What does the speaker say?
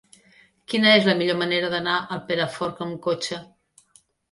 Quina és la millor manera d'anar a Perafort amb cotxe?